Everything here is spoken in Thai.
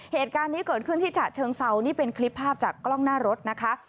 เหตุการณ์นี้เกิดขึ้นที่ฉะเชิงเซานี่เป็นคลิปภาพจากกล้องหน้ารถนะคะ